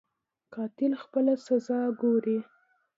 قاتل خپله سزا وګوري.